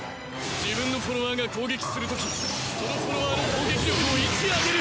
自分のフォロワーが攻撃するときそのフォロワーの攻撃力を１上げる！